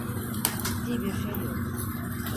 Ciddi bir şey yok.